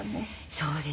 そうですね。